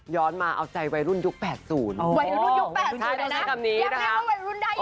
ย้อนมาเอาใจวัยรุ่นยุคแปดศูนย์